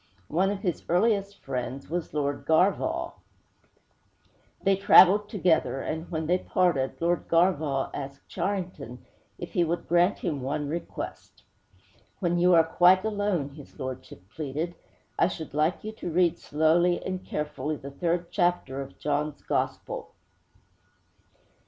One of his earliest friends was Lord Garvagh. They traveled together, and, when they parted, Lord Garvagh asked Charrington if he would grant him one request. 'When you are quite alone,' his lordship pleaded, 'I should like you to read slowly and carefully the third chapter of John's Gospel!'